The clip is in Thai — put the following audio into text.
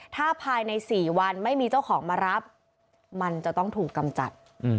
ถ้าภายใน๔วันไม่มีเจ้าของมารับมันจะต้องถูกกำจัด